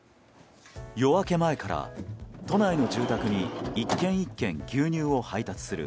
夜明け前から、都内の住宅に１軒１軒牛乳を配達する